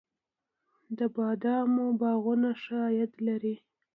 د بادامو باغونه ښه عاید لري؟